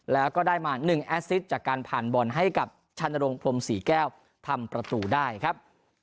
แล้วก็ได้มา๑แอสซิตจากการผ่านบอลให้กับชันนรงพรมศรีแก้วทำประตูได้ครับ